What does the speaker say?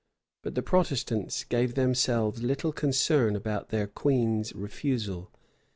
But the Protestants gave themselves little concern about their queen's refusal.